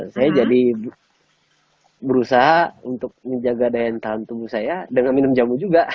saya jadi berusaha untuk menjaga daya tahan tubuh saya dengan minum jamu juga